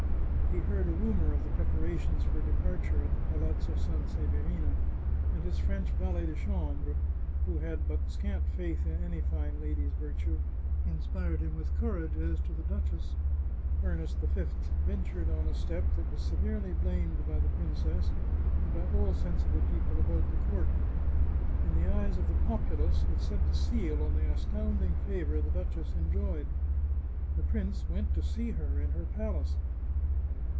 He heard a rumour of the preparations for departure at the Palazzo Sanseverina, and his French valet de chambre, who had but scant faith in any fine lady's virtue, inspired him with cour age as to the duchess. Ernest V ventured on a step that was severely blamed by the princess, and by all sensible people about the court. In the eyes of the populace, it set the seal on the astounding favour the duchess enjoyed. The prince went to see her in her palace.